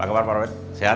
apa kabar pak robert sehat